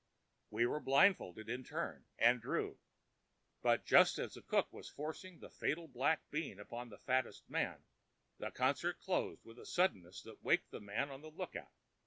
We were blindfolded in turn, and drew, but just as the cook was forcing the fatal black bean upon the fattest man, the concert closed with a suddenness that waked the man on the lookout.